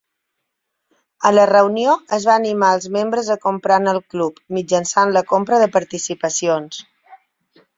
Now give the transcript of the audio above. A la reunió es va animar els membres a comprar en el club, mitjançant la compra de participacions.